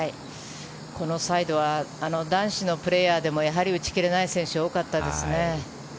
このサイドは男子のプレーヤーでもやはり打ち切れない選手が多かったですね。